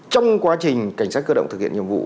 trong quá trình cảnh sát cơ động thực hiện nhiệm vụ